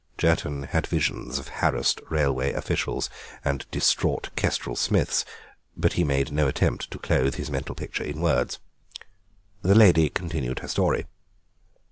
Jerton had visions of harassed railway officials and distraught Kestrel Smiths, but he made no attempt to clothe his mental picture in words. The lady continued her story.